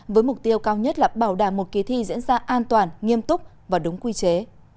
với mục tiêu cao nhất là bảo đảm một kỳ thi diễn ra an toàn nghiêm túc và đúng quy chế